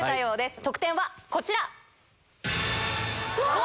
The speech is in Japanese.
得点はこちら。